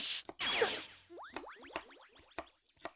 それ！